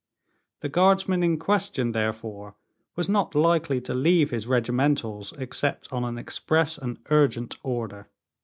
The guardsman in question, therefore, was not likely to leave his regimentals, except on an express and urgent order.